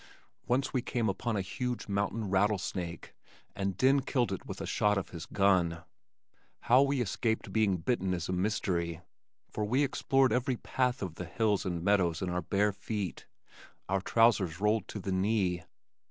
Once we came upon a huge mountain rattlesnake and Den killed it with a shot of his gun. How we escaped being bitten is a mystery, for we explored every path of the hills and meadows in our bare feet, our trousers rolled to the knee.